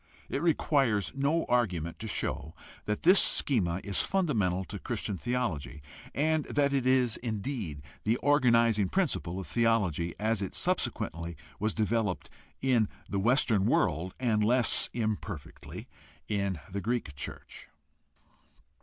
It requires no argument to show that this schema is fundamental to Christian theology, and that it is indeed the organizing principle of theology as it subsequently was developed in the Western world and less imperfectly in the Greek church.